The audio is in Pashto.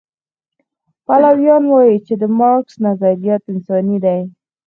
پلویان وایي چې د مارکس نظریات انساني دي.